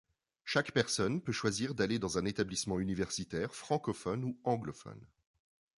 Chaque personne peut choisir d'aller dans un établissement universitaire francophone ou anglophone.